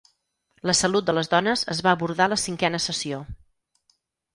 La salut de les dones es va abordar la cinquena sessió.